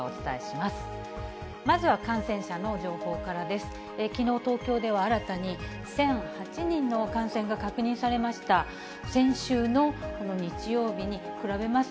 まずは感染者の情報からです。